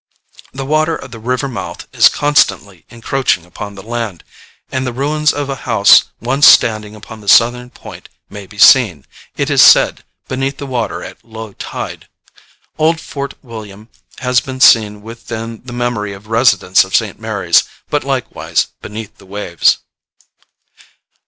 The water of the river mouth is constantly encroaching upon the land, and the ruins of a house once standing upon the southern point may be seen, it is said, beneath the water at low tide. Old Fort William has been seen within the memory of residents of St. Mary's, but likewise beneath the waves.